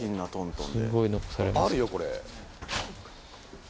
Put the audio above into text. すごいノックされます。